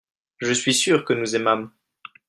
je suis sûr que nous aimâmes.